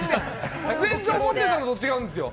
全然思ってたのと違うんですよ。